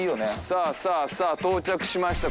さあさあさあ到着しました。